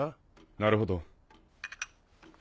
なるほど。